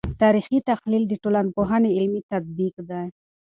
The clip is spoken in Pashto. تاریخي تحلیل د ټولنپوهنې علمي تطبیق دی.